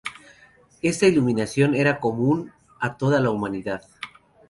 Esta iluminación era común a toda la humanidad.